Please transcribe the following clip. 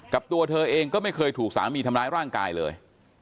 ตัวเธอเองก็ไม่เคยถูกสามีทำร้ายร่างกายเลย